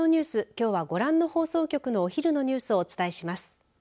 きょうはご覧の放送局のお昼のニュースをお伝えします。